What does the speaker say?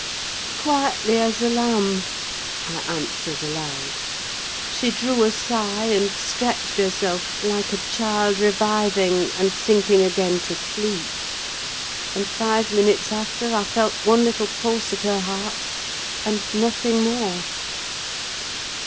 "Quietly as a lamb!" I answered, aloud. "She drew a sigh, and stretched herself, like a child reviving, and sinking again to sleep; and five minutes after I felt one little pulse at her heart, and nothing more!"